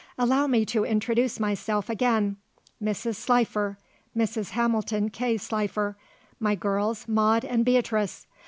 Allow me to introduce myself again: Mrs. Slifer Mrs. Hamilton K. Slifer: my girls, Maude and Beatrice.